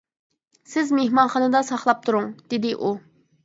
سىز مېھمانخانىدا ساقلاپ تۇرۇڭ، -دېدى ئۇ.